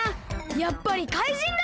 やっぱりかいじんだ！